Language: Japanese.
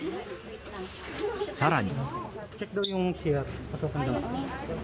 さらに。